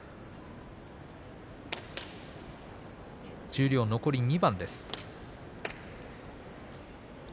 十両、残り２番です。